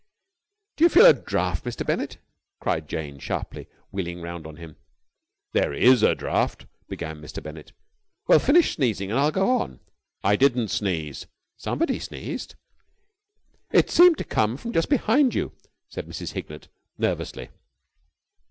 "Do you feel a draught, Mr. Bennett?" cried Jane sharply, wheeling round on him. "There is a draught," began Mr. Bennett. "Well, finish sneezing and I'll go on." "I didn't sneeze!" "Somebody sneezed." "It seemed to come from just behind you," said Mrs. Hignett nervously.